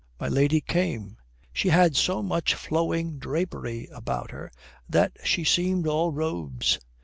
My lady came. She had so much flowing drapery about her that she seemed all robes.